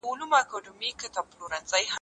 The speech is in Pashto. موبايل خلک يو بل سره نښلوي.